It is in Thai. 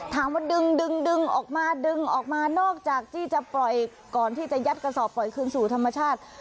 ถามว่าดึงดึงออกมาดึงออกมานอกจากที่จะปล่อยก่อนที่จะยัดกระสอบปล่อยคืนสู่ธรรมชาติ